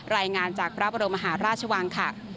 รายงานจากพระบรมมหาราชวังค่ะ